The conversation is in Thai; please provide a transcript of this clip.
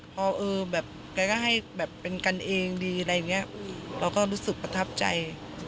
พอเออแบบแกก็ให้แบบเป็นกันเองดีอะไรอย่างนี้เราก็รู้สึกประทับใจ